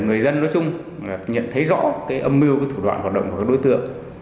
người dân nói chung nhận thấy rõ cái âm mưu thủ đoạn hoạt động của các đối tượng